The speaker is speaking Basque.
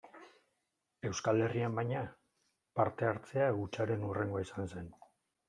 Euskal Herrian, baina, parte hartzea hutsaren hurrengoa izan zen.